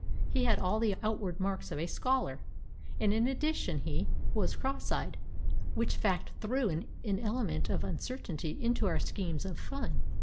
He had all the outward marks of a scholar ; and in addition, he was cross eyed, which fact threw an element of uncer tainty into our schemes of fun.